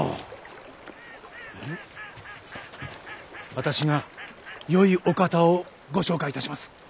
私が良いお方をご紹介いたします。